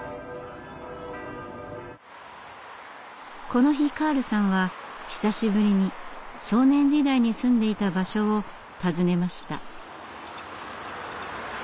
この日カールさんは久しぶりに少年時代に住んでいた場所を訪ねました。